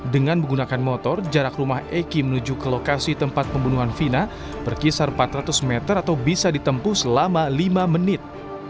dengan menggunakan motor jarak rumah eki menuju ke lokasi tempat pembunuhan vina berkisar empat ratus meter atau bisa ditempuh selama lima menit